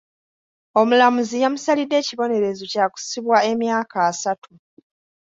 Omulamuzi yamusalidde ekibonerezo kya kusibwa emyaka asatu.